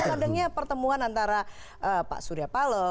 mbak eva kadangnya pertemuan antara pak surya paloh